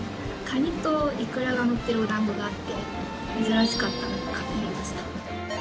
カニとイクラが乗ってるお団子があって珍しかったので買ってみました。